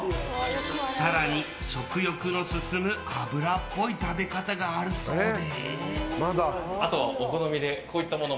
更に、食欲の進む脂っぽい食べ方があるそうで。